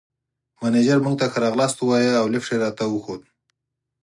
مېنېجر موږ ته ښه راغلاست ووایه او لېفټ یې راته وښود.